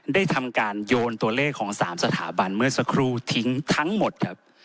ได้ทำการโยนตัวเลขของ๓สถาบันเมื่อสักครู่ทิ้งทั้งหมดครับ